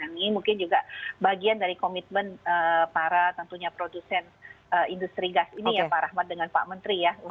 ini mungkin juga bagian dari komitmen para tentunya produsen industri gas ini ya pak rahmat dengan pak menteri ya